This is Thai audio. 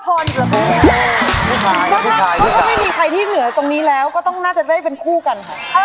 เพราะถ้าไม่มีใครที่เหนือตรงนี้ลอะก็ต้องจะให้เป็นคู่กัน